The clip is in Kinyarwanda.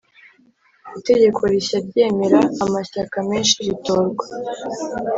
Itegeko rishya ryemera amashyaka menshi ritorwa